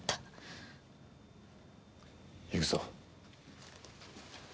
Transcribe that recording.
行くぞ。